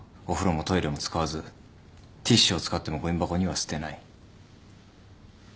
お風呂もトイレも使わずティッシュを使ってもごみ箱には捨てない。